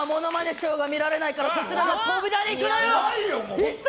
ショーが見られないからそちらの扉に行って！